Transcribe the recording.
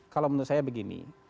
kalau menurut saya begini